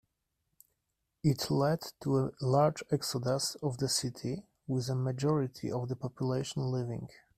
It led to a large exodus of the city, with a majority of the population leaving.